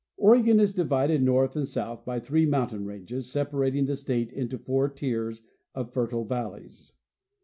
Oregon is divided north and south by three mountain ranges, separating the state into four tiers of fertile valleys.